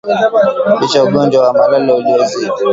Picha Ugonjwa wa malale uliozidi